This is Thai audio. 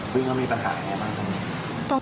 หรือว่ามีปัญหาอย่างไรบ้าง